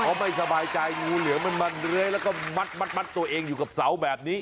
เขาไม่สบายใจงูเหลือมมันมาเลื้อยแล้วก็มัดตัวเองอยู่กับเสาแบบนี้